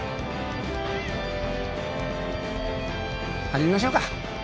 始めましょうか。